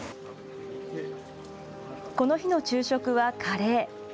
この日の昼食はカレー。